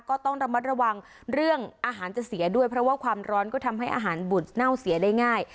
ก็ต้องระมัดระวังเรื่องอาหารจะเสียด้วยเพราะว่าความร้อนก็ทำให้อาหารบุตรเน่าเสียได้ง่าย